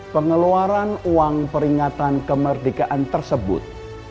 pengeluaran uang peringatan kemerdekaan tersebut